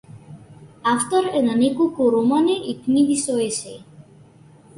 Автор е на неколку романи и книги со есеи.